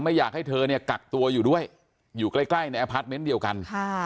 อยากให้เธอเนี่ยกักตัวอยู่ด้วยอยู่ใกล้ในอพาร์ทเมนต์เดียวกัน